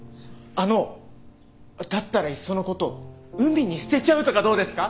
あのだったらいっそのこと海に捨てちゃうとかどうですか？